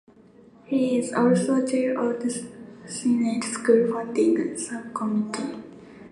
He is also chair of the Senate School Funding Subcommittee.